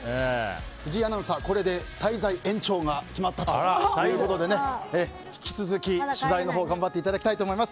藤井アナウンサー、これで滞在延長が決まったということで引き続き取材を頑張っていただきたいと思います。